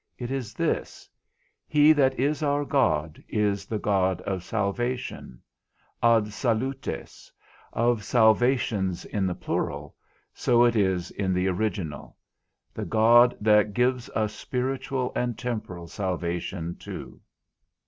It is this: He that is our God is the God of salvation; ad salutes, of salvations in the plural, so it is in the original; the God that gives us spiritual and temporal salvation too.